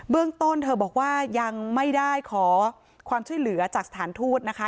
เรื่องต้นเธอบอกว่ายังไม่ได้ขอความช่วยเหลือจากสถานทูตนะคะ